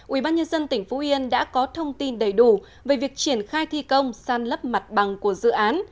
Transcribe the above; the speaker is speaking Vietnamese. ubnd tỉnh phú yên đã có thông tin đầy đủ về việc triển khai thi công san lấp mặt bằng của dự án